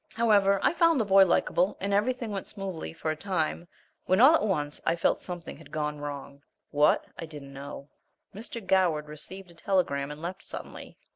However, I found the boy likable, and everything went smoothly for a time, when all at once I felt something had gone wrong what, I didn't know. Mr. Goward received a telegram and left suddenly.